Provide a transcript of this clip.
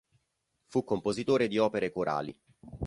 Fu compositore di opere corali.